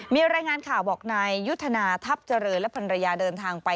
มีรายงานข่าวบอกนายยุทธนาทัพเจริญและภรรยาเดินทางไป